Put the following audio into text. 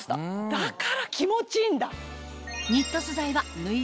だから気持ちいいんだ。